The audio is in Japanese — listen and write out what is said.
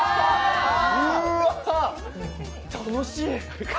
うわー、楽しい。